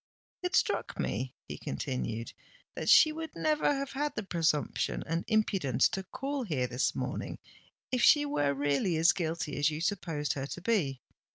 "It struck me," he continued, "that she would never have had the presumption and impudence to call here this morning, if she were really as guilty as you supposed her to be.